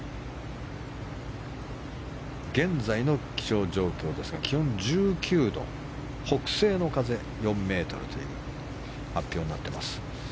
現在の気象状況ですが気温１９度北西の風４メートルという発表になっています。